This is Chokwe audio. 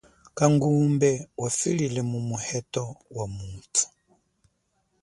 Kangumbe wafile mumu heto wamuthu.